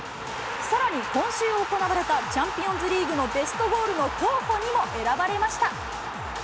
さらに、今週行われたチャンピオンズリーグのベストゴールの候補にも選ばれました。